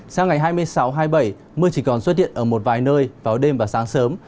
sang ngày hai mươi sáu hai mươi bảy mưa chỉ còn xuất hiện ở một vài nơi vào đêm và sáng sớm